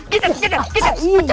gitu gitu gitu